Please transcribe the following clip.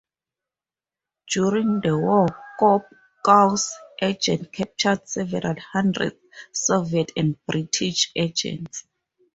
During the war, Kopkow's agents captured several hundred Soviet and British agents.